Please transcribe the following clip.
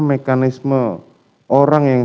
mekanisme orang yang